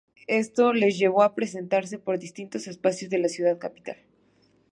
Esto les llevó a presentarse por distintos espacios de la ciudad capital.